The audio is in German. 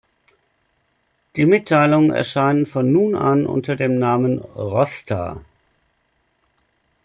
Die Mitteilungen erscheinen von nun an unter dem Namen »Rosta«.